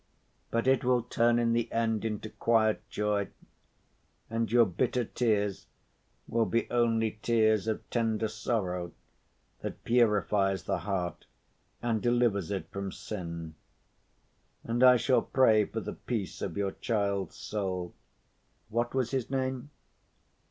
But it will turn in the end into quiet joy, and your bitter tears will be only tears of tender sorrow that purifies the heart and delivers it from sin. And I shall pray for the peace of your child's soul. What was his name?"